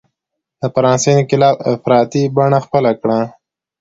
د فرانسې انقلاب افراطي بڼه خپله کړه.